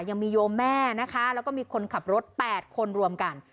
ยังมีโยมแม่นะคะแล้วก็มีคนขับรถ๘คนรวมกัน